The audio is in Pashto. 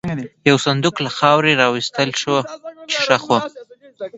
یو صندوق له خاورې را وایستل شو، چې ښخ و.